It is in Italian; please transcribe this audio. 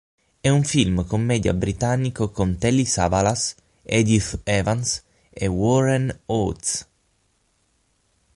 È un film commedia britannico con Telly Savalas, Edith Evans e Warren Oates.